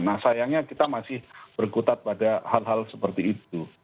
nah sayangnya kita masih berkutat pada hal hal seperti itu